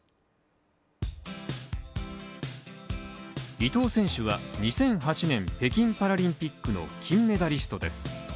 伊藤選手は２００８年北京パラリンピックの金メダリストです。